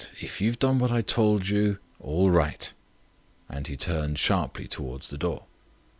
If you've done what I told you, all right." And he turned sharply towards the door.